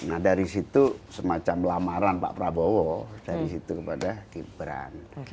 nah dari situ semacam lamaran pak prabowo dari situ kepada gibran